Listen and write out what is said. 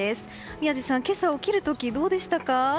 宮司さん、今朝、起きる時どうでしたか？